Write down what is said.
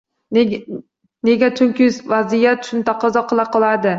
Nega? Chunki vaziyat shuni taqozo qilib qoladi